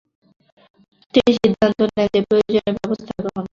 তিনি সিদ্ধান্ত নেন যে, প্রয়োজনীয় ব্যবস্থা গ্রহণ করবেন।